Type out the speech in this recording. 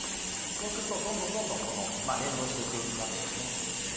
そうするとどんどん連動していくわけですね。